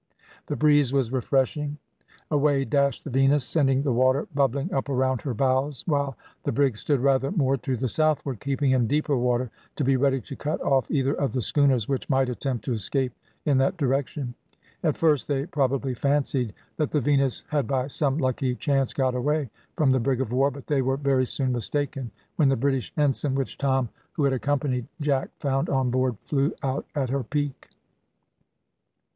The breeze was freshening. Away dashed the Venus, sending the water bubbling up around her bows, while the brig stood rather more to the southward, keeping in deeper water to be ready to cut off either of the schooners which might attempt to escape in that direction. At first they probably fancied that the Venus had by some lucky chance got away from the brig of war; but they were very soon mistaken, when the British ensign which Tom, who had accompanied Jack, found on board flew out at her peak.